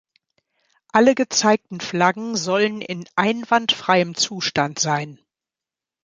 Alle gezeigten Flaggen sollen in einwandfreiem Zustand sein.